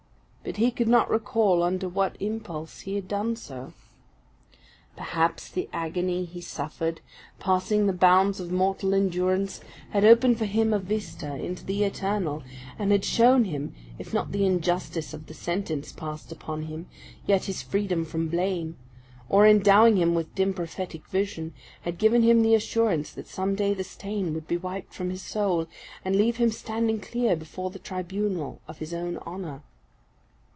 But he could not recall under what impulse he had done so. Perhaps the agony he suffered, passing the bounds of mortal endurance, had opened for him a vista into the eternal, and had shown him, if not the injustice of the sentence passed upon him, yet his freedom from blame, or, endowing him with dim prophetic vision, had given him the assurance that some day the stain would be wiped from his soul, and leave him standing clear before the tribunal of his own honour.